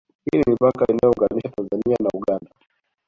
Hii ni mipaka inayoiunganisha Tanzania na Uganda